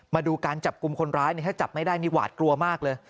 มาดูการจับกลุ่มคนร้ายเนี่ยถ้าจับไม่ได้นี่หวาดกลัวมากเลย